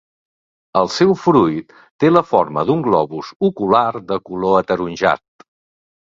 El seu fruit té la forma d'un globus ocular de color ataronjat.